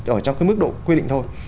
ở trong cái mức độ quy định thôi